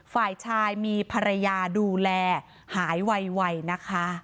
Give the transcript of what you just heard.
ฝ่ายชายมีภรรยาดูแลหายไวนะคะ